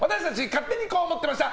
勝手にこう思ってました！